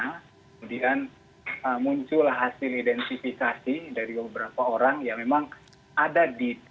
kemudian muncul hasil identifikasi dari beberapa orang yang memang ada di